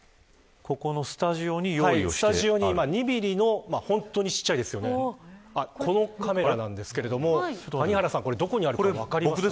スタジオに２ミリの、本当に小さいですがこのカメラなんですけれども谷原さん、これどこにあるか分かりますか。